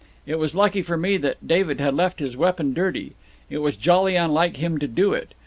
It was lucky for me that David had left his weapon dirty. It was jolly unlike him to do it.